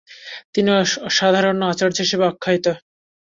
তিনি সাধারণ্যে ‘‘আচার্য’’ হিসেবে আখ্যায়িত।